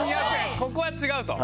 ここは違うと。